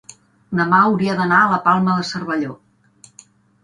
demà hauria d'anar a la Palma de Cervelló.